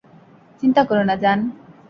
চিন্তা করো না, জান।